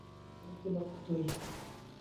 পরবর্তী লক্ষ্য তুই!